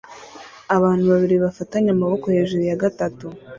Abantu babiri bafatanye amaboko hejuru ya gatatu